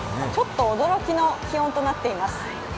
ちょっと驚きの気温となっています。